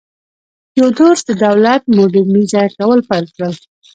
تیودوروس د دولت م وډرنیزه کول پیل کړل.